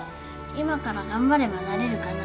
今から頑張ればなれるかな？